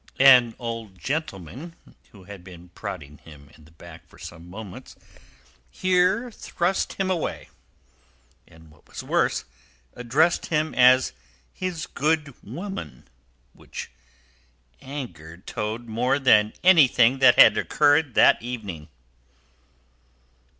An old gentleman who had been prodding him in the back for some moments here thrust him away, and, what was worse, addressed him as his good woman, which angered Toad more than anything that had occurred that evening.